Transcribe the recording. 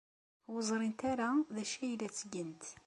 Ur ẓrint ara d acu ay la ttgent.